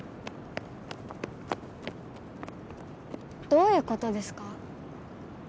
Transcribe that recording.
どういうことですか？